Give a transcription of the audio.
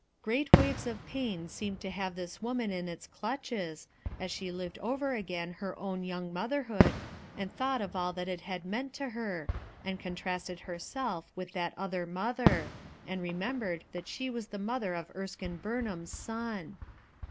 Great waves of pah seemed to have this woman in ita clutches, as she live J over again her own young niother hood, and thought of all that it had meant to her, and contrasted herself with that other mother; and remembered that she was the mother of Erskine Burnham's ton.